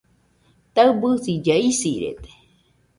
Taɨbisilla isirede